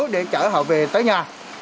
để chở họ về tới nhà